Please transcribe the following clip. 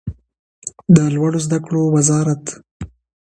د لوړو زده کړو وزارت